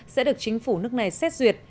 sẽ được chính phủ nước này xét duyệt